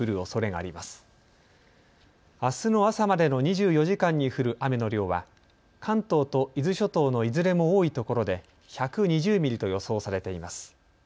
あすの朝までの２４時間に降る雨の量は関東と伊豆諸島のいずれも多いところで１２０ミリと予想されています。